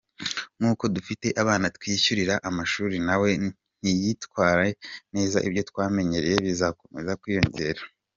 Nk’uko dufite abana twishyurira amashuri, nawe niyitwara neza ibyo twamwemereye bizakomeza kwiyongera.